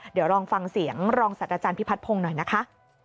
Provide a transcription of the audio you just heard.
เดี๋ยวลองฟังเสียงรองสัตว์อาจารย์พิพัฒนพงศ์หน่อยนะคะ